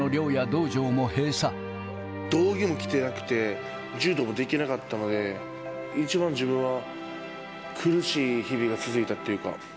道着も着てなくて、柔道もできなかったので、一番自分は苦しい日々が続いたっていうか。